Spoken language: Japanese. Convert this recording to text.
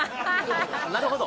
・なるほど